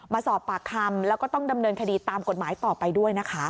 มาสอบปากคำแล้วก็ต้องดำเนินคดีตามกฎหมายต่อไปด้วยนะคะ